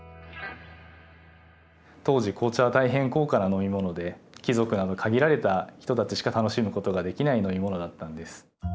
当時紅茶は大変高価な飲み物で貴族など限られた人たちしか楽しむことができない飲み物だったんです。